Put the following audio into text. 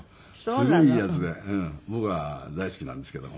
すごいいいヤツで僕は大好きなんですけども。